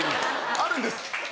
あるんです。